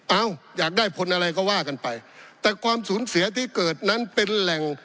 อยากได้ผลอะไรก็ว่ากันไปแต่ความสูญเสียที่เกิดนั้นเป็นแหล่ง